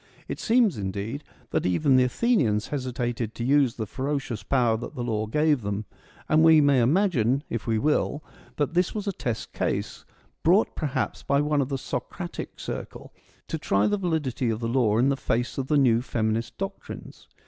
It seems, indeed, that even 194 FEMINISM IN GREEK LITERATURE the Athenians hesitated to use the ferocious power that the law gave them ; and we may imagine, if we will, that this was a test case, brought, perhaps, by one of the Socratic circle, to try the validity of the law in the face of the new feminist doctrines.